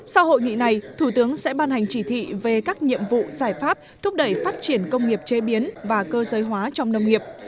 sau hội nghị này thủ tướng sẽ ban hành chỉ thị về các nhiệm vụ giải pháp thúc đẩy phát triển công nghiệp chế biến và cơ giới hóa trong nông nghiệp